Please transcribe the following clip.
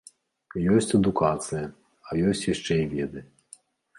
Ёсць адукацыя, а ёсць яшчэ і веды.